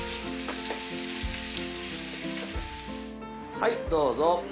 はいどうぞ。